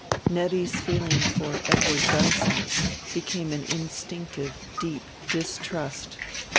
Nettie's feeling for Edward Dunsack became an instinctive deep distrust.